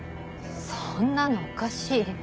そんなのおかしい。